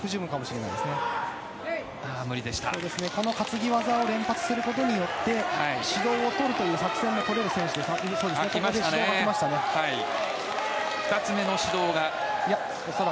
この担ぎ技を連発することによって指導をとるという作戦もとれる選手ですから。